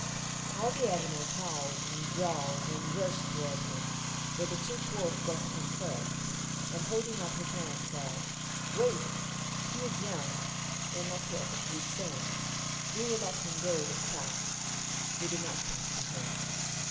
All the animals howled and growled and rushed toward him, but the chief Wolf got to him first, and holding up his hand said, "Wait. He is young and not yet of good sense. We will let him go this time." They did nothing to him.